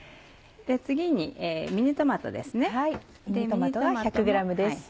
次にミニトマトですね。